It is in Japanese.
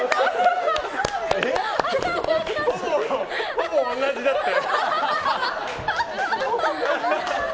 ほぼ同じだったよ。